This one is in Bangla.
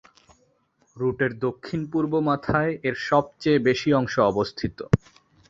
রুটের দক্ষিণ-পূর্ব মাথায় এর সবচেয়ে বেশি অংশ অবস্থিত।